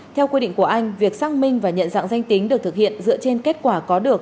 theo quy định của anh việc xác minh và nhận dạng danh tính được thực hiện dựa trên kết quả có được